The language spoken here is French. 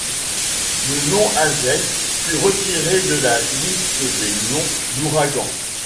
Le nom Hazel fut retiré de la liste des noms d'ouragans.